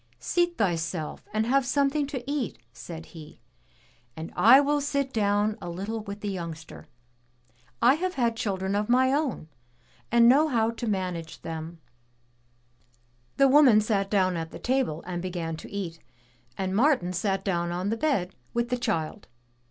"Seat thyself and have something to eat," said he, "and I will sit down a little with the youngster. I have had children of my own and know how to manage them." 199 M Y BOOK HOUSE The woman sat down at the table and began to eat, and Martin sat down on the bed with the child.